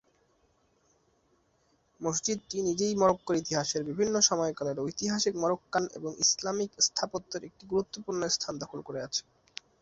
মসজিদটি নিজেই মরক্কোর ইতিহাসের বিভিন্ন সময়কালের ঐতিহাসিক মরোক্কান এবং ইসলামিক স্থাপত্যের একটি গুরুত্বপূর্ণ স্থান দখল করে আছে।